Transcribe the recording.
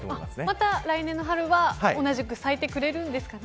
また来年の春は同じく咲いてくれるんですかね。